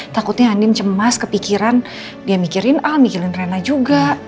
takutnya handim cemas kepikiran dia mikirin ah mikirin rena juga